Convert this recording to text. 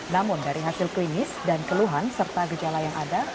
namun dari hasil klinis dan keluhan serta gejala yang ada